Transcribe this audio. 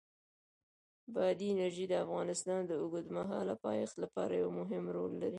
بادي انرژي د افغانستان د اوږدمهاله پایښت لپاره یو مهم رول لري.